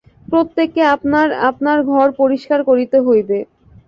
প্রত্যেককে আপনার আপনার ঘর পরিষ্কার করিতে হইবে।